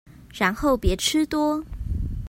然後別吃多